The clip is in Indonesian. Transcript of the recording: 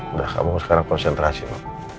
udah kamu sekarang konsentrasi emang